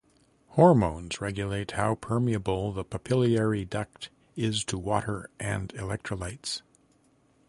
Hormones regulate how permeable the papillary duct is to water and electrolytes.